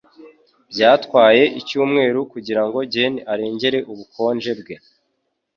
Byatwaye icyumweru kugirango Jane arengere ubukonje bwe.